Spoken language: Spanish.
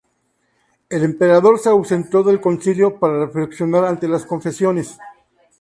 El emperador se ausentó del concilio para reflexionar ante las confesiones.